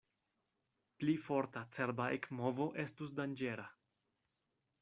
Pli forta cerba ekmovo estus danĝera.